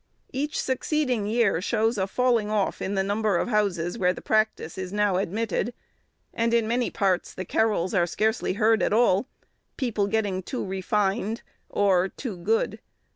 Each succeeding year shows a falling off in the number of houses where the practice is now admitted; and in many parts the carols are scarcely heard at all, people getting too refined, or—too good